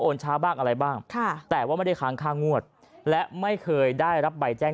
ช้าบ้างอะไรบ้างแต่ว่าไม่ได้ค้างค่างวดและไม่เคยได้รับใบแจ้ง